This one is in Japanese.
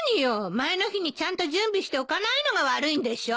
前の日にちゃんと準備しておかないのが悪いんでしょ。